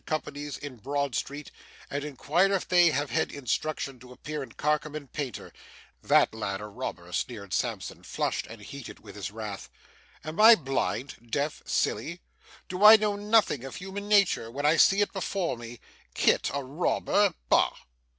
's in Broad Street, and inquire if they have had instructions to appear in Carkem and Painter. THAT lad a robber,' sneered Sampson, flushed and heated with his wrath. 'Am I blind, deaf, silly; do I know nothing of human nature when I see it before me? Kit a robber! Bah!